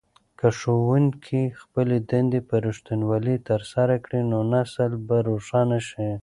که ښوونکي خپلې دندې په رښتینولۍ ترسره کړي نو نسل به روښانه شي.